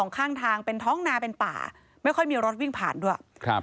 ข้างทางเป็นท้องนาเป็นป่าไม่ค่อยมีรถวิ่งผ่านด้วย